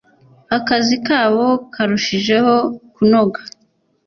akazi kabo karushijeho kunoga